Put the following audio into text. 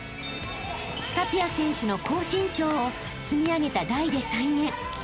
［タピア選手の高身長を積み上げた台で再現］